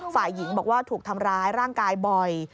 ฝ่ายหญิงบอกว่าถูกทำร้ายร่างกายบ่อย